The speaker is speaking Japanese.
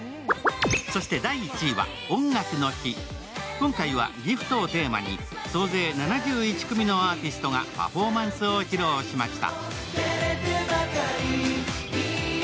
今回はギフトをテーマに総勢７１組のアーティストがパフォーマンスを披露しました。